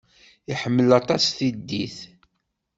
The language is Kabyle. Iḥemmel aṭas tiddit.